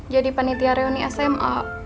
jadi panitia reuni sma